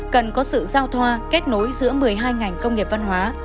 cần có sự giao thoa kết nối giữa một mươi hai ngành công nghiệp văn hóa